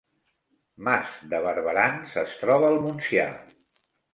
Mas de Barberans es troba al Montsià